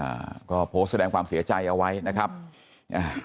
อ่าก็โพสต์แสดงความเสียใจเอาไว้นะครับอ่า